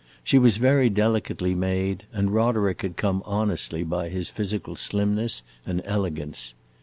She was very delicately made, and Roderick had come honestly by his physical slimness and elegance.